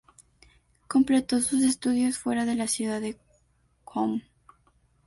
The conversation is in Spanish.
Completó sus estudios fuera de la ciudad de Qom.